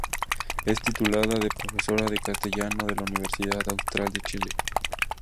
Es titulada de profesora de castellano de la Universidad Austral de Chile.